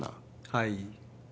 はい。